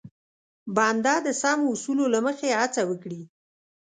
بنده د سمو اصولو له مخې هڅه وکړي.